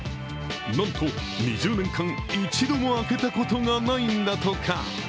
なんと、２０年間一度も開けたことがないんだとか。